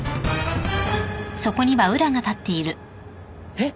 えっ？